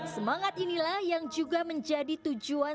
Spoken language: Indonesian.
semangat inilah yang juga menjadi tujuan